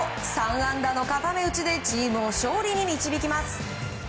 ３安打の固め打ちでチームを勝利に導きます。